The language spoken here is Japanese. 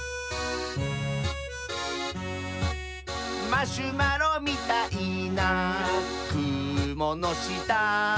「マシュマロみたいなくものした」